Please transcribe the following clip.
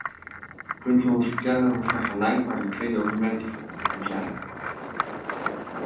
Kunt u ons vertellen hoe vergelijkbaar de twee documenten volgens u zijn?